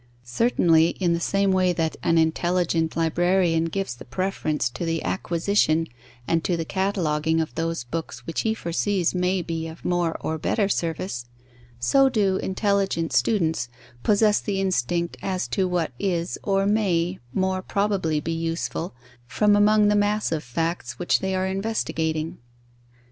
Certainly, in the same way that an intelligent librarian gives the preference to the acquisition and to the cataloguing of those books which he foresees may be of more or better service, so do intelligent students possess the instinct as to what is or may more probably be useful from among the mass of facts which they are investigating.